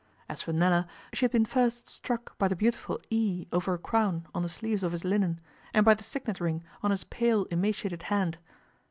As for Nella, she had been first struck by the beautiful 'E' over a crown on the sleeves of his linen, and by the signet ring on his pale, emaciated hand.